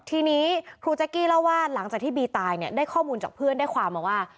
ทีนี้ครูแจ๊กกี้เล่าว่าหลังจากที่บีตายเนี่ยได้ข้อมูลจากเพื่อนได้ความมาว่า